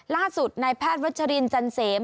ล่าสุดนายแพทย์วัชรินจันเสม